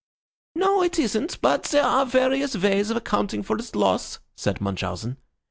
"No, it isn't; but there are various ways of accounting for its loss," said Munchausen.